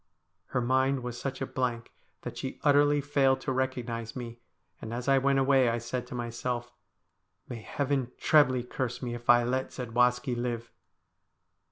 Her mind was such a blank that she utterly failed to recognise me, and as I went away I said to myself, ' May Heaven trebly curse me if I let Zadwaski live